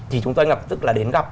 thì chúng tôi ngập tức là đến gặp